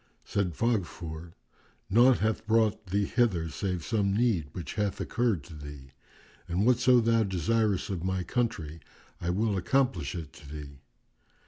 Said Faghfur, "Naught hath brought thee hither save some need which hath occurred to thee; and whatso thou desirest of my country I will accomplish it to thee."